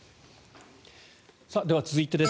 では、続いてです。